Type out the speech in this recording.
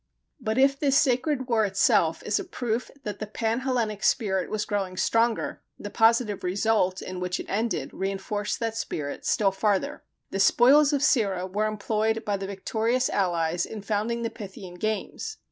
But if this sacred war itself is a proof that the pan Hellenic spirit was growing stronger, the positive result in which it ended reinforced that spirit still farther. The spoils of Cirrha were employed by the victorious allies in founding the Pythian games.